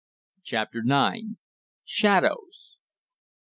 CHAPTER IX. SHADOWS.